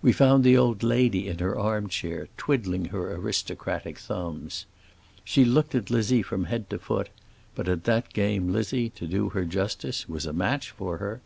We found the old lady in her armchair, twiddling her aristocratic thumbs. She looked at Lizzie from head to foot; but at that game Lizzie, to do her justice, was a match for her.